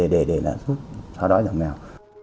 để là sau đó giảm nghèo